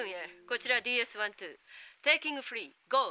こちらＤＳ−１２テイキングフリーゴー。